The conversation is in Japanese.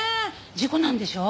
事故なんでしょ？